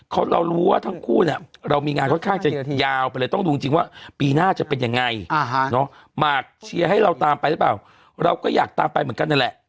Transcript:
เขาเรารู้ว่าทั้งคู่เนี่ยเรามีงานค่อนข้างจะยาวไปเลยต้องดูจริงว่าปีหน้าจะเป็นยังไงหมากเชียร์ให้เราตามไปหรือเปล่าเราก็อยากตามไปเหมือนกันนั่นแหละ